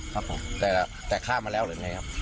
แต่ละแต่ข้ามมาแล้วหรือไงครับ